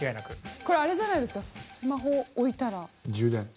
これ、あれじゃないですかスマホ置いたら充電？